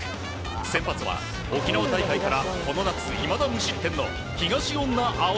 先発は沖縄大会からこの夏いまだ無失点の東恩納蒼。